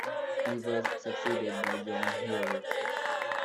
He was succeeded by John Healey.